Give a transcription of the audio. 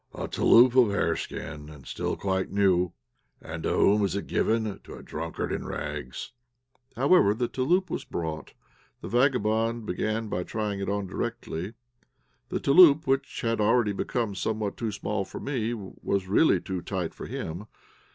"A touloup of hareskin, and still quite new! And to whom is it given? to a drunkard in rags." However, the touloup was brought. The vagabond began trying it on directly. The touloup, which had already become somewhat too small for me, was really too tight for him.